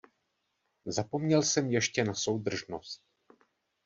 Zapomněl jsem ještě na soudržnost.